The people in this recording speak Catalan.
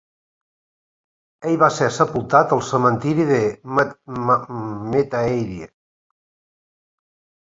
Ell va ser sepultat al cementiri de Metairie.